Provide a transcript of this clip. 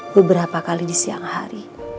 beberapa kali di siang hari